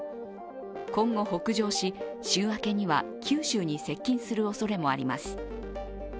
今後北上し、週明けには九州に接近するおそれもあります。